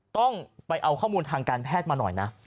ต้องไปเอาข้อมูลทางการแพทย์มาหน่อยนะ